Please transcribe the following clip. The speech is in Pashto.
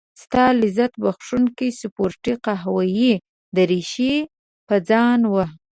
ستا لذت بخښونکې سپورتي قهوه يي دريشي په ځان وه.